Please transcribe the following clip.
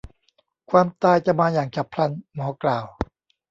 ความตายจะมาอย่างฉับพลัน หมอกล่าว